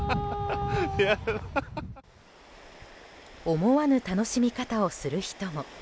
思わぬ楽しみ方をする人も。